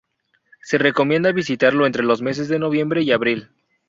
Se recomienda visitarlo entre los meses de noviembre y abril.